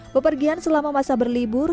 pepergian selama masa berlibur